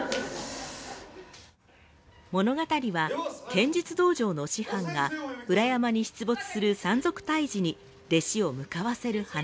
物語は剣術道場の師範が裏山に出没する山賊退治に弟子を向かわせる話。